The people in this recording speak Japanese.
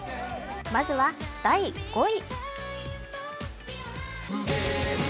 まずは第５位。